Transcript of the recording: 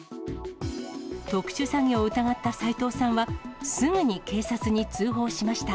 特殊詐欺を疑った齋藤さんは、すぐに警察に通報しました。